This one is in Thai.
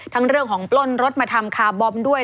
เรื่องของปล้นรถมาทำคาร์บอมด้วย